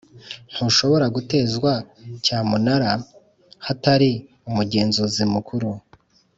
ntushobora gutezwa cyamunara hatari umugenzuzi mukuru